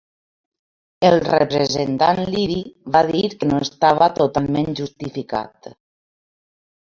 El representant libi va dir que no estava totalment justificat.